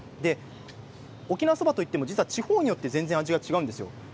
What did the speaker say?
沖縄そばといっても実は地方によって全然、味が違うんですよ。